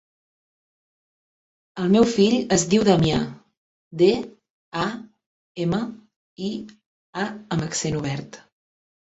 El meu fill es diu Damià: de, a, ema, i, a amb accent obert.